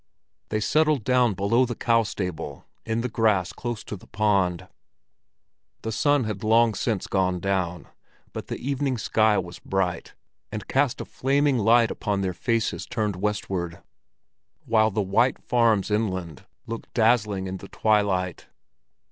They settled down below the cow stable, in the grass close to the pond. The sun had long since gone down, but the evening sky was bright, and cast a flaming light upon their faces turned westward; while the white farms inland looked dazzling in the twilight.